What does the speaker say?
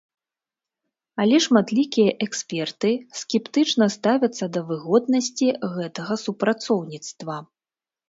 Але шматлікія эксперты скептычна ставяцца да выгоднасці гэтага супрацоўніцтва.